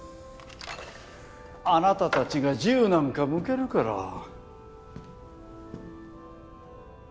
あなたたちが銃なんか向けるから。